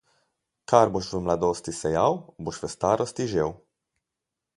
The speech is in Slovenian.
Kar boš v mladosti sejal, boš v starosti žel.